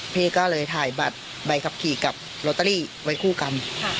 พี่ก็เลยถ่ายบัตรใบขับขี่กับลอตเตอรี่ไว้คู่กัน